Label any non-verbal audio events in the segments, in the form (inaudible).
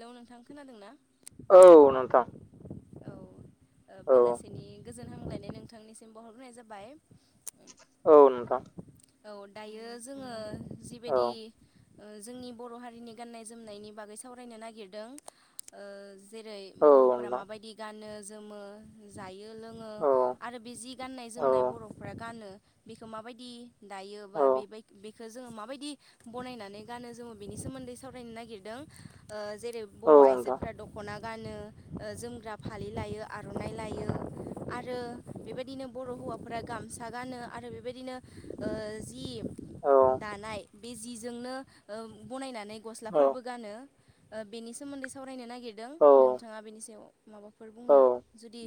Hello नोंथां खोनादों ना? औ नोंथां। औ औ बेलासेनि गोजोन हामलायनाय नोंथांनिसिम बावहरग्रोनाय जाबाय। औ नोंथां। औ दायो जोङो औ जिबायदि ओ जोंनि बर' हारिनि गाननाय जोमनायनि बागै सावरायनो नागिरदों। ओ जेरै औ बर'फोरा नोंथां माबायदि गानो जोमो जायो। बियो लोङो औ आरो बे जि गाननाय औ जोमनाय बर'फ्रा गानो बेखौ माबायदि दायोबा औ बेबायदि बे जोङो माबायदि बनायनानै गानो जोङो बेनि सोमोन्दै सावरायनो नागिरदों ओ जेरै औ बर' नोंथां आइजोफोरा दख'ना गानो ओ जोमग्रा फालि लायो आर'नाइ लायो आरो बेबायदिनो बर' हौवाफोरा गामसा गानो आरो बेबायदिनो ओ जि औ दानाय बे जिजोंनो ओ बनायनानै औ गस्लाफोरबो गानो। ओ बेनि सोमोन्दै सावरायनो नागिरदों औ नोंथाङा बेनि सायाव माबाफोर औ बुंनो जुदि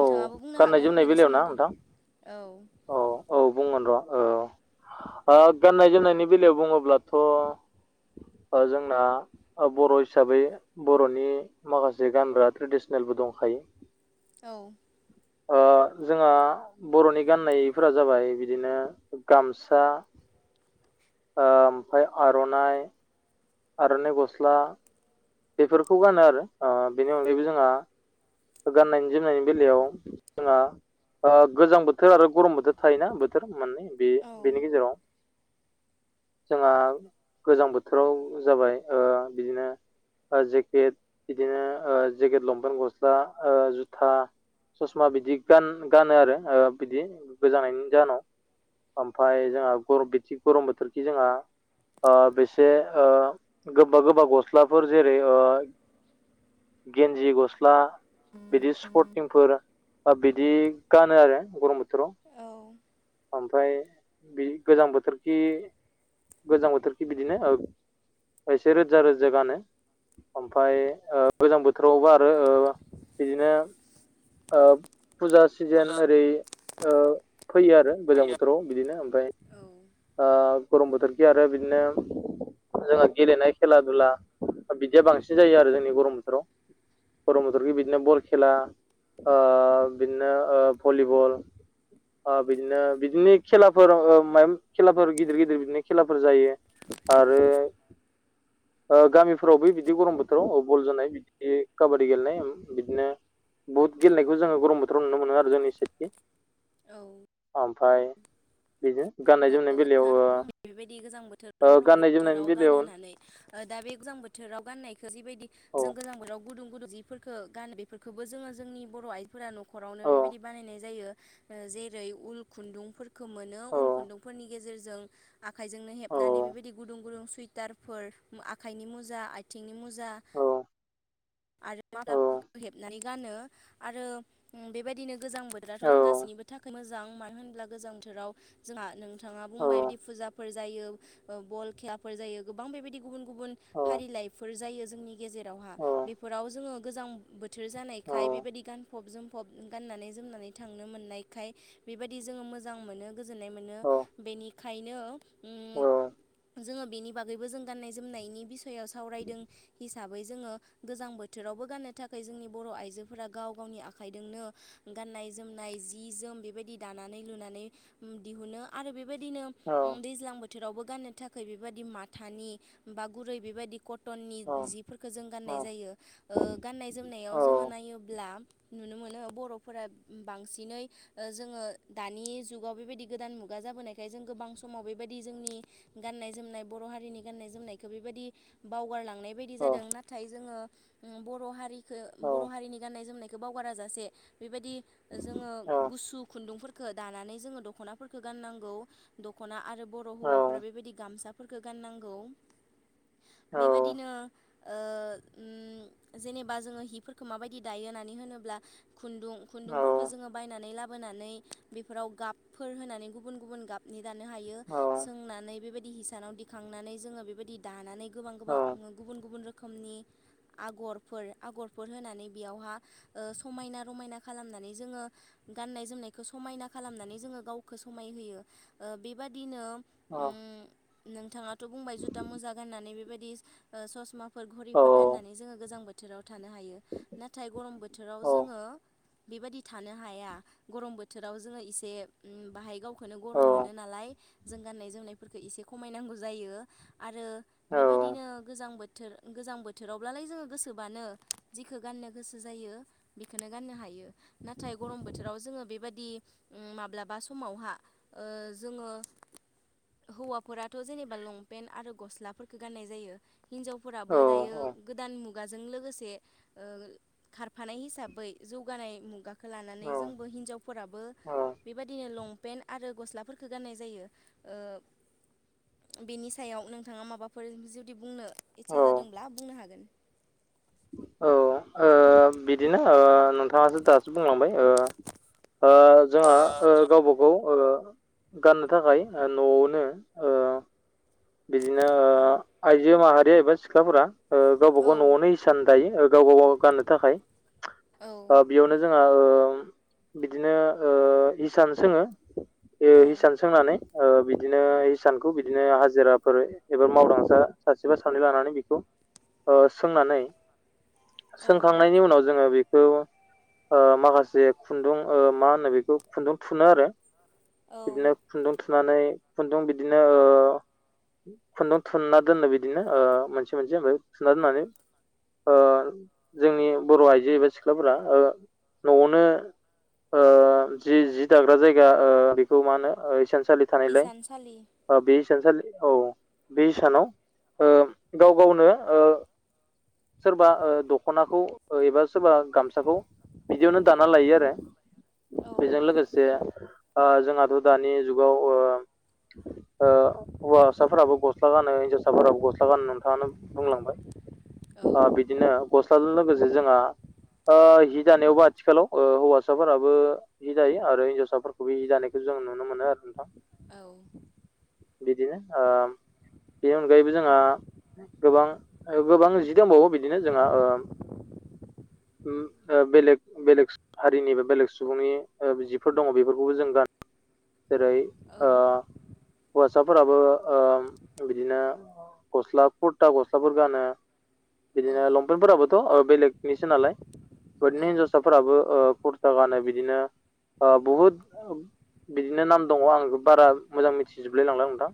औ बुंनो गाननाय हागोन जोमनाय बेनि बेलायाव ना सोमोन्दै नोंथां औ। औ औ बुंगोन र' औ ओ गाननाय जोमनायनि बेलायाव बुङोब्लाथ' ओ जोंना बर' हिसाबै बर'नि माखासे गानग्रा ट्रेडिसनेल बो दंखायो। औ। ओ जोंहा बर'नि गाननायफोरा जाबाय बिदिनो गामसा (inaudible) ओमफ्राय आर'नाइ, आर'नाइ गस्ला। बेफोरखौ गानो आरो बेनि अनगायैबो जोंहा गाननायनि जोमनायनि बेलायाव जोंहा ओ गोजां बोथोर आरो गरम बोथोर थायोना बोथोर मोननै बे औ बेनि गेजेराव जोंहा गोजां बोथोराव जाबाय ओ बिदिनो जेकेट बिदिनो ओ जेकेट, लंपेन्ट, गस्ला, ओ जुथा ससमा बिदि गान गानो आरो ओ बिदि गोजांनायनि जाहोनाव। ओमफफ्राय जोंहा गरम बिथि गरम बोथोरखि जोंहा ओ बेसे ओ गोबा गोबा गस्ला फोर जेरै ओ गेन्जि गस्ला बिदि स्पर्टिंफोर बिदि गानो आरो गरम बोथोराव। औ ओमफ्राय बे गोजां बोथोरखि गोजां बोथोरखि बिदिनो एसे रोजा रोजा गानो। (unintelligible) फुजा फैयो (unintelligible) (unintelligible) ओ गरम बोथोरखै आरो बिदिनो बिदिया बांसिन जायो आरो जोंनि गरम बोथोराव। गरम बोथोरखै बिदिनो बल खेला ओ बिदिनो ओ भलिबल। ओ बिदिनो बिदिनो खेलाफोर ओ माय खेलाफोर गिदिर गिदिर बिदिनो खेलाफोर जायो। आरो ओ गामिफोरावबो बिदि गरम बोथोराव बल जोनाय बिदि काबादि गेलेनाय बिदिनो बुहुत गेलेखौ गरम बोथोरव नुनो मोनो आरो जोंनि सायदथि। औ ओमफाय औ नोंथाङाथ बुंबाय बेबायदि गोजां बोथोर, ओ गरम गाननाय जोमनायनि बोथोराव गानो बेलायाव होननानै ओ दा बे गोजां बो थोराव गाननायखो जिबायदि औ जों गोजां बोथोराव गुदुं गुदुं जिफोरखो गानो बेफोरखोबो जोंङो जोंनि बर' आइ फोरा न'खरावनो औ बेबायदि बानायनाय जायो। जेरै उल खुन्दुंफोर औ खुन्दुंफोरनि गेजेरजों आखाइजोंनो औ हेबनानै बेबायदि गुदुं गुदुं सुइटारफोर आखाइनि मु मुजा आइथिंनि मुजा औ आरो मालाफोरखो हेबनानै गानो आरो बेबायदिनो गोजां बोथोराथ' औ जों गासिनिबो थाखाय मो जां मानो होनब्ला गोजां बोथोराव जोंहा नोंथाङा बुंबाय बिदि फुजाफोर जायो ओ बल खे लाफोर जायो। गोबां बेबायदि गुबुन गुबुन औ फारिलाइफोर जायो जोंनि गेजेरावहा। बेफोराव जोंङो गोजां बोथोर औ जानायखाय बेबादि गानफब जोमफब गाननानै जोमनानै थांनो मोन मोननायखाय बेबादि जोंङो मोजां मोनो, गोजोन्नाय मोनो। औ बेनि खायनो औ जोंङो बेनि बागैबो जों गान्नाय जोमनायनि बिस स'याव सावरायदों हिसाबै जोंङो गोजां बोथोरावबो गाननो थाखाय जोंनि बर' आइजोफोरा गाव गावनि आखाइदोंनो गाननाय जोमनाय जि जोम बेबायदि दानानै लुनानै दिहुनो आरो बे बेबायदिनो औ दैज्लां बोथोरावबो गाननो थाखाय बेबादि माथानि बा गुरै बेबादि कट टननि जिफोरखो जों गाननाय जायो। ओ गान्नाय जोमनायाव जोंङो नायोब्ला नुनो मोनो बरफोरा बांसिनै जोंङो दानि जुगाव बेबायदि गोदान मुगा मुगा जाबोनायखाय जों गोबां समाव बेबादि जोंनि गाननाय जोमनाय बर हारिनि गान्नाय जोमनायखो बेबादि बावगारलांनाय बायदि जादों। नाथाय जोङो बर हारि बर हारिनि गाननाय जोमनायखो बावगारा जासे बेबादि जोंङो गुसु खुन्दुंफोर दानानै जोंङो दखनाफोरखो गाननांगौ। दखना आरो बर' औ हौवाफोरा बेबादि गामसा फोरखो गाननांगौ। औ बेबादिनो ओ उम जेनेबा जोंङो हिफोरखो माबायदि दायो होननानै होनोब्ला खुन्दुं खुन्दुंफोरखो जोंङो बायनानै लाब बोनानै बेफोराव गाबफोर होनानै गुबुन गुबुन गाबनि दानो हायो। सोंनानै बेबा दि हिसानाव दिखांनानै जोंङो बेबायदि दानानै गोबां गोबां गुबुन गुबुन रोखोमनि आगरफोर आगरफोर होनानै बेयावहा समायना रमायना खालामनानै जोंङो गाननाय जोमनायखो समायना खालामनानै जोंङो गावखो समायहोयो। ओ बेबादिनो नोंथाङाथ' बुंबाय जुथा मुजा गाननानै बेबायदि ससमाफोर घरि फोर गाननानै जोंङो गोजां बोथोराव थानो हायो। नाथाय गरम बोथोराव जोंङो बेबादि थानो हाया। गरम बोथोराव जोंङो एसे बाहाय गावखोनो गरम मोनो नालाय जों गाननाय जोमनायफोरखो इसे खमायनांगौ जायो आरो बेबादिनो गोजां बोथोर गोजां बो थोरावब्लालाय जोंङो गोसोबानो जिखो गाननो गोसो जायो बेखोनो गाननो हायो। नाथाय गरम बोथोराव जोंङो बेबादि उम माब्लाबा समावहा ओ जोंङो हौवाफोराथ जेनेबा लंपेन्ट आरो गस्लाफोरफोरखो गाननाय जायो हिनजावफोराबो दायो गोदान मुगाजों लोगोसे ओ खारफानाय हिसाबै जौगानाय मुगा लानानै जोंबो हिन्जावफोराबो बेबायदिनो लं पेन्ट आरो गस्लाफोरफोरखौ गाननाय जायो। बेनि सायाव नोंथाङा माबाफोर जुदि बुंनो इस्सा जादोंब्ला बुंनो हागोन औ ओ बिदिनो ओ नोंथाङा दासो बुंलांबाय ओ ओ जोंहा औ गावबा गाव ओ गाननो थाखाय न'आवनो ओ बिदिनो औ आइजो माहारिया एबा सिख्लाफोरा ओ गावबा गाव न'आवनो इसान दायो। गाव गाव गाननो थाखाय औ बेयावनो जोंहा ओ बिदिनो ओ इसान सोङो औ हिसान सोंनानै ओ बिदिनो हिसानखौ बिदिनो हाज जिराफोर एबा मावदांसा सासेबा सानै लानानै बेखौ सोंनानै औ सोंखांनायनि उनाव जोङो बे खौ ओ माखासे खुन्दुं ओ मा होनो बेखौ खुन्दुं थुनो आरो। औ बिदिनो खुन्दुं थुनानै खुन्दुं बिदिनो ओ खुन्दुं थुनना दोनो बिदिनो मोनसे मोनसे ओमफ्राय थुनना दोननानै ओ जोंनि बर' आइजो एबा सिख्लाफोरा न'आवनो ओ जि जि दाग्रा जायगा ओ बेखौ मा होनो इसान सालि सालि थानायलाय हिसानसालि बे इसानसालि औ बे इसानाव गाव गावनो ओ सोरबा दख'नाखौ एबा सोरबा गामसाखौ बिदिनो दाना लायो आरो। औ बेजों लोगोसे ओ जोंहाथ' दानि जुगाव ओ ओ फिसाफोराबो गस्ला गानो हिनजावसाफोराबो गस्ला गानो नोंथाङानो औ बुंलांबाय बिदिनो गस्लाजों लोगोसे जोंहा ओ जि दानायावबो आथिखालाव ओ हौवासाफोराबो जि दायो आरो हिनजावसाफोरखौबो जि दानायखौ जों जों नुनो मोनो आरो नोंथां। औ बिदिनो ओ बेनि अनगायैबो जोंहा गोबां गोबां जि दंबावो बिदिनो जोंहा ओ (inaudible) बेलेग बेलेग हारिनि बा बेलेग सुबुंनि जिफोर दङ बेफोरखौबो जों गान (inaudible) जेरै ओ हौवासाफोराबो ओ बिदिनो गस्ला कुरथा गस्लाफोर गानो। औ बिदिनो लंपेन्टफोराबोथ' बेलेगनिसो नालाय बेबायदिनो औ हिनजावसाफोराबो ओ कुर था गानो बिदिनो बहुद बिदिनो नाम दङ आं बारा मोजां मिथि जोबलाय लांला नोंथां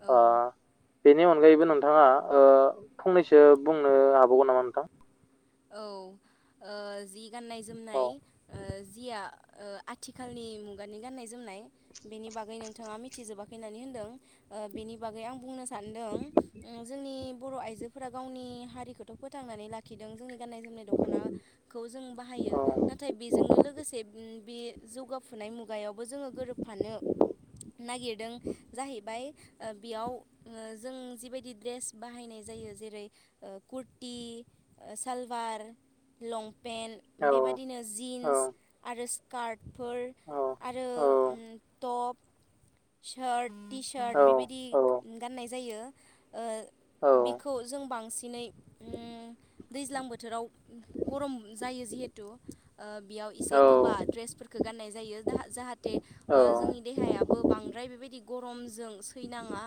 औ ओ बेनि अनगायैबो नोंथाङा ओ फंनैसो बुंनो हाबावगोन नामा नोंथां? औ जि गाननाय औ जोमनाय ओ जिया ओ आथिखालनि मुगानि गाननाय जोमनाय बेनि बागै नोंथाङा मिथिजोबाखै फैनानै होनदों बेनि बागै आं बुंनो सानदों जोंनि बर' आइजोफोरा गावनि हारिखौथ' फोथांनानै लाखिदों जोंनि गाननाय जोमनाय दखनाखौ जों बाहायो नाथाय बेजोंनो लोगोसे बे जौगाफु नाय मुगायावबो जोङो गोरोबफानो नागिरदों जाहैबाय बेयाव जों जिबायदि ड्रेस बाहायनाय जायो। जेरै खुरटि सालवार औ लंपेन्ट बेबायदिनो औ जिन्स आरो कार्डफोर औ आरो औ उम टप सार्ट टि सार्ट बेबायदि औ गाननाय जायो ओ बिखौ जों बांसिनै उम दैज्लां बोथोराव गरम जायो जिहेथु ओ बेयाव एसे गोबा औ ड्रेसफोरखौ गाननाय जायो जा जाहाथे औ जोंनि देहायाबो बांद्राय बेबायदि गरमजों सैनाङा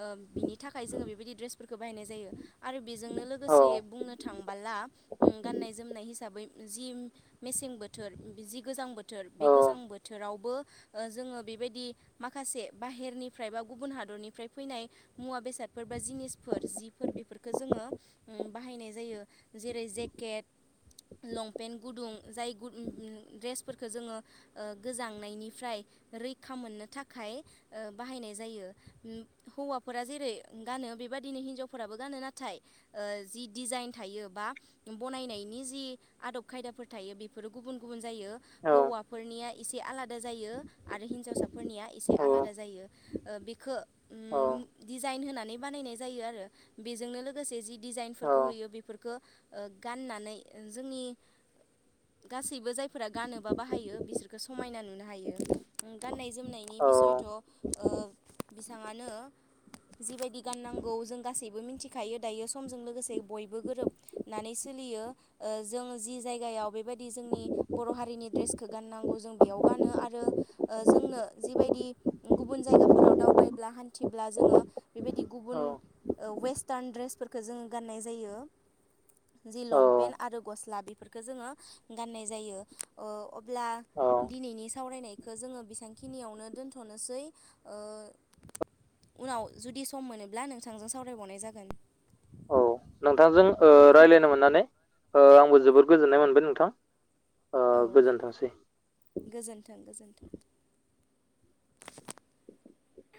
ओ बिनि थाखाय जोङो बेबायदि ड्रेसफोरखौ बाहायनाय जायो आरो बेजोंनो औ लोगोसे बुंनो थांबोला उम गान्नाय जोमनाय हिसाबै जि मेसें बोथोर जि गोजां बोथोर बे गोजां बोथोरावबो ओ जोङो बेबायदि माखासे बाहेरनिफ्राय बा गुबुन हादर निफ्राय फैनाय मुवा बेसादफोर बा जिनिसफोर जिफोर बेफोरखौ जोङो उम बाहायनाय जायो जेरै जेकेट लंपेन्ट गुदुं जाय गुदुं गु दुं द्रेसफोरखौ जोङो गोजांनायनिफ्राय रैखा मोननो थाखाय ओ बाहायनाय जायो हौवाफोरा जेरै गानो बेबायदिनो हिनजावफोराबो गानो नाथाय ओ जि दिजाइन थायो बा बनायनायनि जि आदब खायदाफोर थायो बेफोरो गुबुन गुबुन जायो हौवाफोरनिया एसे आलादा आलादा जायो आरो हिनजावसाफोरनिया एसे आलादा जायो ओ बेखौ उम डिजाइन होनानै बानायनाय जायो आरो बेजोंनो लोगोसे जि डिजाइनफोर होयो बेफोरखौ गाननानै जोंनि गासैबो जायफोरा गानोबा बाहायो बिसोरखौ समायना नुनो हायो उम गाननाय जोमनायनि बिसयथ' ओ बिसाङानो जिबायदि गाननांगौ जों गासैबो मिथिखायो दायो समजों लोगोसे बयबो गोरोबनानै सोलियो ओ जों जि जायगायाव बेबायदि जोंनि बर' हारिनि द्रेसखौ गाननांगौ जों बेयाव गानो आरो ओ जोंनो जिबायदि गुबुन जायगाफोराव दाव दावबायब्ला हानथिब्ला जोङो बेबादि गुबुन ओ वयेसटार्न द्रेसफोरखौ जोङो गाननाय जा जायो जि औ लंपेन्ट आरो गस्ला बेफोरखौ जोङो गाननाय जायो ओ अब्ला औ औ दिनैनि सावरायनायखौ जोङो बेसेबां खिनियावनो दोनथ'नोसै ओ उनाव जुदि सम मोनोब्ला नोंथांजों सावरायबावनाय जागोन औ नोंथांजों रायज्लायनो मोननानै आंबो जोबोर गोजोननाय मोनबाय नोंथां ओ औ गोजोनथोंसै गोजोन्थों गोजोन्थों (inaudible)